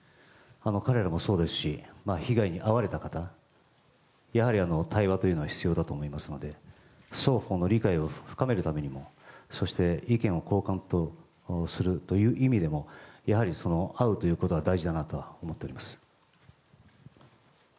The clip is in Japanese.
彼らもそうですし被害に遭われた方やはり対話というのは必要だと思いますので双方の理解を深めるためにもそして意見を交換するという意味でも会うということは大事だなとは思っております。